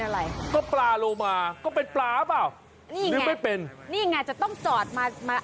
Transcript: นี่ไงนี่ไงต้องจอดมาอ่าน